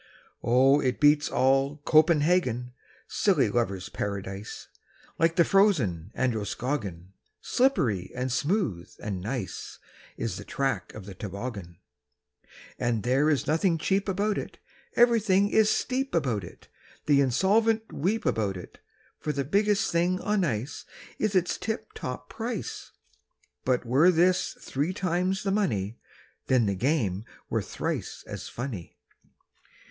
Oh, it beats all "Copenhagen," Silly lovers' paradise! Like the frozen Androscoggin, Slippery, and smooth, and nice, Is the track of the toboggan; And there's nothing cheap about it, Everything is steep about it, The insolvent weep about it, For the biggest thing on ice Is its tip top price; But were this three times the money, Then the game were thrice as funny.